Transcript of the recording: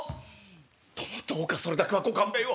「殿どうかそれだけはご勘弁を。